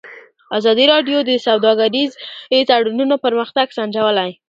ازادي راډیو د سوداګریز تړونونه پرمختګ سنجولی.